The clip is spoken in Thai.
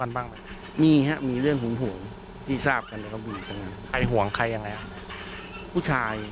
กันบ้างมีเรื่องห่วงที่ทราบกันใครห่วงใครอย่างนั้นผู้ชาย